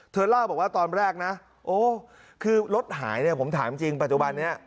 เล่าบอกว่าตอนแรกนะโอ้คือรถหายเนี่ยผมถามจริงปัจจุบันนี้